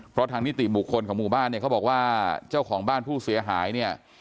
เพราะทางนิติบุคคลของหมู่บ้านเนี่ยเขาบอกว่าเจ้าของบ้านผู้เสียหายเนี่ย